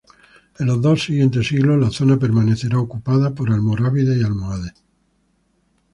En los dos siguientes siglos la zona permanecerá ocupada por almorávide y almohade.